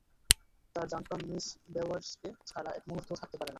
তার জানপ্রাণ মিস বেওয়্যার্সকে ছাড়া এক মুহূর্তও থাকতে পারে না।